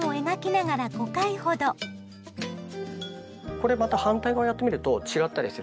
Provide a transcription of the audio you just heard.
これまた反対側をやってみると違ったりするので。